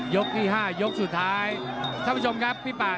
ยกที่๕ยกสุดท้ายท่านผู้ชมครับพี่ป่า